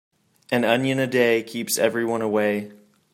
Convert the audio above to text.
An onion a day keeps everyone away.